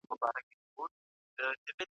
داسې ناسته په اسره ده